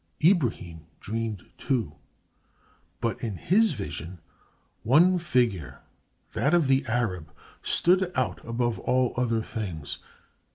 Ibrahim dreamed, too, but in his vision one figure, that of the Arab, stood out above all other things.